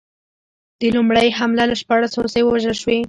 په لومړۍ حمله کې شپاړس هوسۍ ووژل شوې.